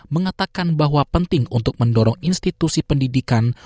mengatakan bahwa penting untuk mendorong institusi pendidikan